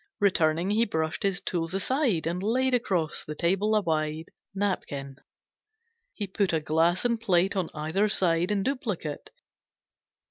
Returning, he brushed his tools aside, And laid across the table a wide Napkin. He put a glass and plate On either side, in duplicate.